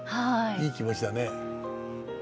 いい気持ちだね。